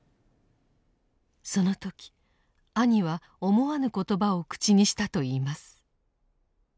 その時兄は思わぬ言葉を口にしたといいます。